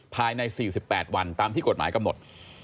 ภายใน๔๘วันตามที่กฎหมายกำหนด